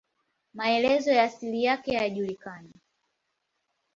Maelezo ya asili yake hayajulikani.